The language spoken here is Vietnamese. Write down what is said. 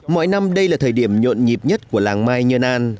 mọi năm đây là thời điểm nhộn nhịp nhất của làng mai nhơn an